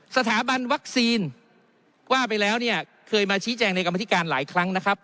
สถาบันวัคซีนว่าไปแล้วเนี่ยเคยมาชี้แจงในกรรมธิการหลายครั้งนะครับ